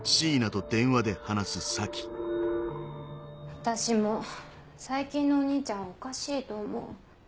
私も最近のお兄ちゃんはおかしいと思う。